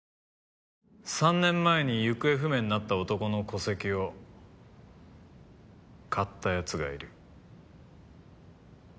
３年前に行方不明になった男の戸籍を買った奴がいる。